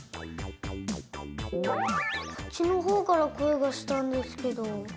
こっちのほうからこえがしたんですけど。